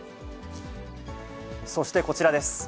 そしてこちらです。